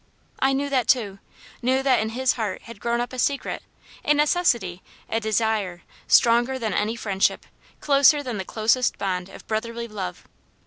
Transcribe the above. I knew that too; knew that in his heart had grown up a secret, a necessity, a desire, stronger than any friendship closer than the closest bond of brotherly love.